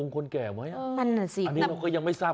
คนแก่ไหมอันนี้เราก็ยังไม่ทราบ